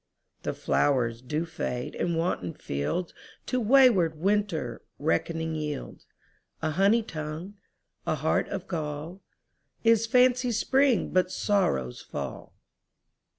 The flowers do fade, and wanton fieldsTo wayward Winter reckoning yields:A honey tongue, a heart of gall, Is fancy's spring, but sorrow's fall.